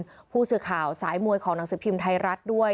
ผู้สื่อข่าวสายมวยของหนังสือพิมพ์ไทยรัฐด้วย